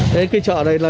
cái chợ này là